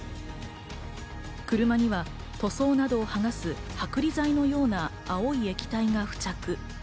車には塗装などを剥がす、剥離剤のような青い液体が付着。